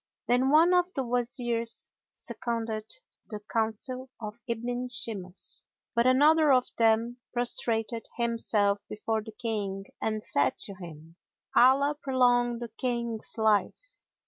Then one of the Wazirs seconded the counsel of Ibn Shimas; but another of them prostrated himself before the King and said to him, "Allah prolong the King's life!